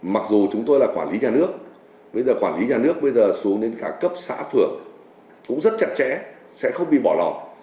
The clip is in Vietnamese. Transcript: mặc dù chúng tôi là quản lý nhà nước bây giờ quản lý nhà nước bây giờ xuống đến cả cấp xã phường cũng rất chặt chẽ sẽ không bị bỏ lọt